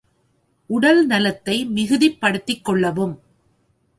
உடல் நலத்தை மிகுதிப்படுத்திக் கொள்ளவும்.